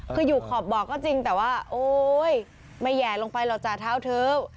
คืออยู่ขอบบ่อก็จริงแต่ว่าโอ๊ยไม่แห่ลงไปหรอกจ่าเท้าเธอ